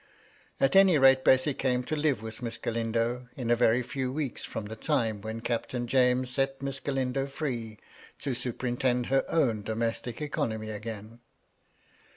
At any rate, Bessy came to live with Miss Galindo, in a very few weeks from the time when Captain James set Miss Galindo free to superintend her own domestic economy again.